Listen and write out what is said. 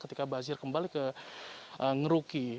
ketika bazir kembali ke ngeruki